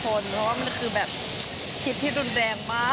เพราะมันคือกลิปที่แรงมาก